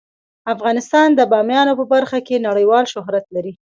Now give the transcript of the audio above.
افغانستان د بامیان په برخه کې نړیوال شهرت لري.